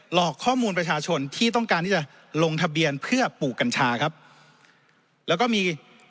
หลอกข้อมูลประชาชนที่ต้องการที่จะลงทะเบียนเพื่อปลูกกัญชาครับแล้วก็มี